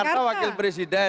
di jakarta wakil presiden